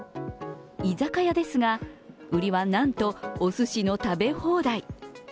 居酒屋ですが、売りはなんとお寿司の食べ放題。